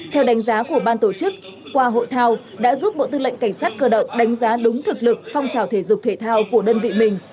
theo đánh giá của ban tổ chức qua hội thao đã giúp bộ tư lệnh cảnh sát cơ động đánh giá đúng thực lực phong trào thể dục thể thao của đơn vị mình